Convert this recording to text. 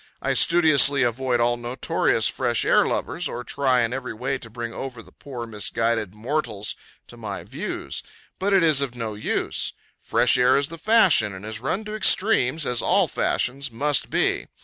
I studiously avoid all notorious fresh air lovers, or try in every way to bring over the poor, misguided mortals to my views; but it is of no use. Fresh air is the fashion, and is run to extremes, as all fashions must be.